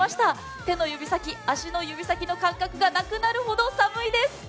手の指先、足の指先の感覚がなくなるほど寒いです。